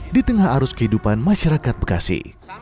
di tengah arus kehidupan masyarakat bekasi